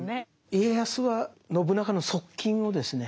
家康は信長の側近をですね